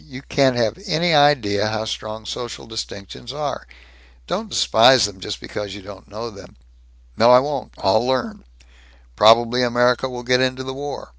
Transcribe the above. You can't have any idea how strong social distinctions are. Don't despise them just because you don't know them." "No. I won't. I'll learn. Probably America will get into the war.